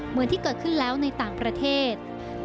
เหมือนที่เกิดขึ้นแล้วในต่างประเทศ